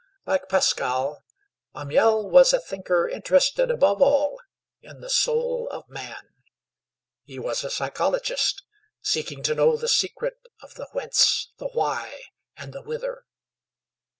Like Pascal, Amiel was a thinker interested above all in the soul of man. He was a psychologist, seeking to know the secret of the Whence, the Why, and the Whither.